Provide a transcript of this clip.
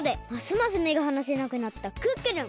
ますめがはなせなくなった「クックルン」。